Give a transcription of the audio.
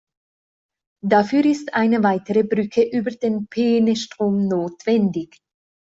Dafür ist eine weitere Brücke über den Peenestrom notwendig.